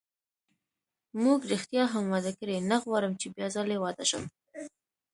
موږ ریښتیا هم واده کړی، نه غواړم چې بیا ځلي واده شم.